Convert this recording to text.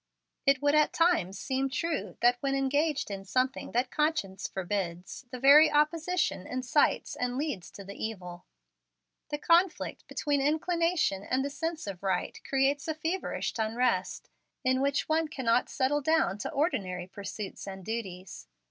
It would at times seem true that, when engaged in something that conscience forbids, the very opposition incites and leads to the evil. The conflict between inclination and the sense of right creates a feverish unrest, in which one cannot settle down to ordinary pursuits and duties.